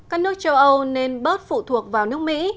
các nước châu âu nên bớt phụ thuộc vào nước mỹ